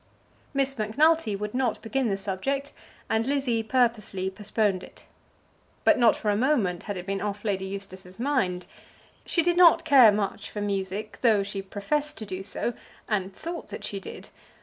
Miss Macnulty would not begin the subject, and Lizzie purposely postponed it. But not for a moment had it been off Lady Eustace's mind. She did not care much for music, though she professed to do so, and thought that she did.